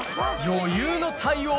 余裕の対応